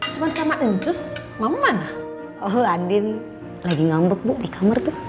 cuma sama enjus mama oh adin lagi ngambek bu di kamar